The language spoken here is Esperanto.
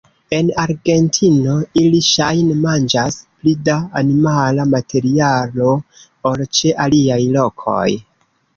En Argentino ili ŝajne manĝas pli da animala materialo ol ĉe aliaj lokoj.